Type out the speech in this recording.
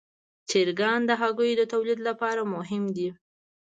چرګان د هګیو د تولید لپاره مهم دي.